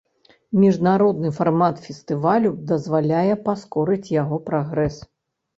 Міжнародны фармат фестывалю дазваляе паскорыць яго прагрэс.